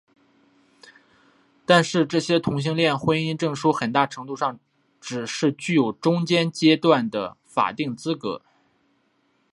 但是这些同性恋婚姻证书很大程度上是只具有中间阶段的法定资格。